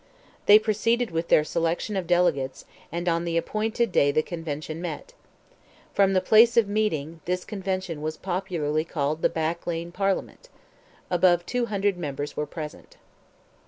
They proceeded with their selection of delegates, and on the appointed day the Convention met. From the place of meeting, this Convention was popularly called "the Back Lane Parliament." Above 200 members were present.